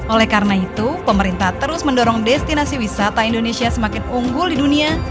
oleh karena itu pemerintah terus mendorong destinasi wisata indonesia semakin unggul di dunia